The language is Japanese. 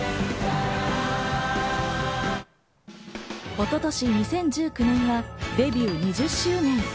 一昨年２０１９年はデビュー２０周年。